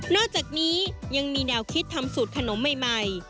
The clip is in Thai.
อกจากนี้ยังมีแนวคิดทำสูตรขนมใหม่